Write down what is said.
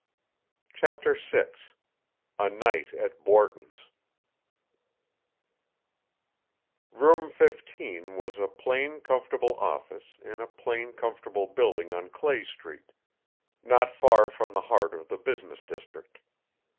CHAPTER VI A NIGHT AT BORTON'S Room 15 was a plain, comfortable office in a plain, comfortable building on Clay Street, not far from the heart of the business district.